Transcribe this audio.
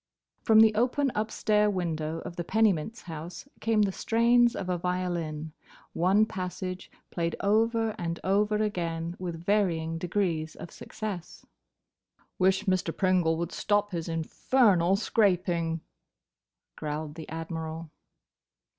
From the open upstair window of the Pennymint's house came the strains of a violin: one passage, played over and over again, with varying degrees of success. "Wish Mr. Pringle would stop his infernal scraping," growled the Admiral.